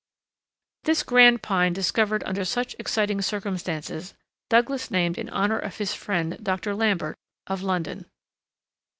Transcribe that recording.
This grand pine discovered under such, exciting circumstances Douglas named in honor of his friend Dr. Lambert of London.